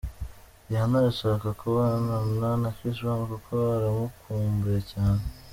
Rihanna arashaka kubonana na Chris Brown kuko aramukumbuye cyane.